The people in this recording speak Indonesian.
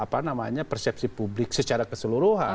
apa namanya persepsi publik secara keseluruhan